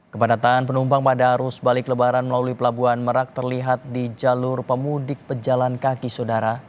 kepadatan penumpang pada arus balik lebaran melalui pelabuhan merak terlihat di jalur pemudik pejalan kaki saudara